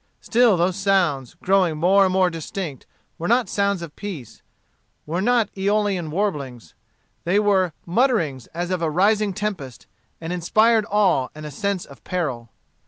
Still those sounds, growing more and more distinct, were not sounds of peace, were not eolian warblings; they were mutterings as of a rising tempest, and inspired awe and a sense of peril.